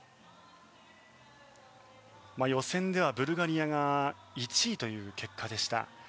予選ではブルガリアが１位という結果でした。